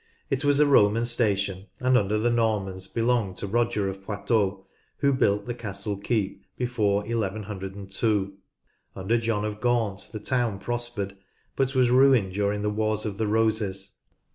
It was a Roman station and under the Normans belonged to Roger of Poitou, who built the Castle Keep before 1 102. Under John of Gaunt the town prospered, but was ruined during the Wars of the Roses.